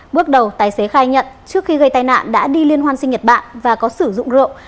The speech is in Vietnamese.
bước đầu tài xế khai nhận trước khi gây tai nạn đã đi liên hoan sinh nhật bản và có sử dụng rượu